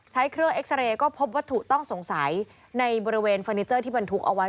ใช้เครื่องเอ็กซาเรย์ก็พบวัตถุต้องสงสัยในบริเวณเฟอร์นิเจอร์ที่บรรทุกเอาไว้